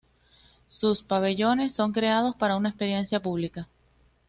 Sus pabellones son creados para una experiencia pública.